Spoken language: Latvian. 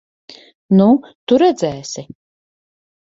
Nu, tu redzēsi!